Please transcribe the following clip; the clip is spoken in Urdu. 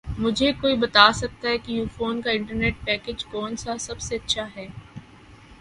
مجھے کوئی بتا سکتا ہے کہ یوفون کا انٹرنیٹ پیکج کون سا سب سے اچھا ہے